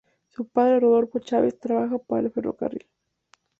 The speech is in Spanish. Su padre, Rodolfo Chávez, trabajó para el ferrocarril.